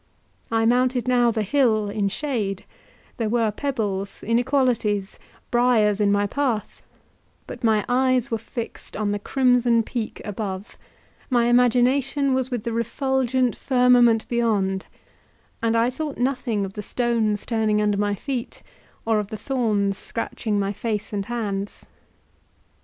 I mounted now the hill in shade; there were pebbles, inequalities, briars in my path, but my eyes were fixed on the crimson peak above; my imagination was with the refulgent firmament beyond, and I thought nothing of the stones turning under my feet, or of the thorns scratching my face and hands.